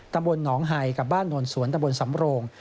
ตำบลหนองไฮกับบ้านโนนสวนตะบนสำโรง